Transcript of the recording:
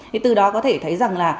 thì từ đó có thể thấy rằng là